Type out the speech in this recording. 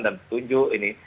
dan setuju ini